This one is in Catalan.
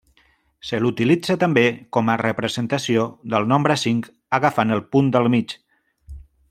Se l'utilitza també com a representació del nombre cinc agafant el punt del mig.